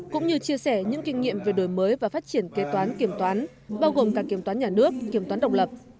cũng như chia sẻ những kinh nghiệm về đổi mới và phát triển kế toán kiểm toán bao gồm cả kiểm toán nhà nước kiểm toán động lập